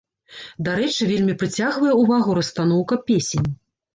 Дарэчы, вельмі прыцягвае ўвагу расстаноўка песень.